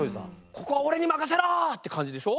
「ここは俺に任せろ！」って感じでしょ？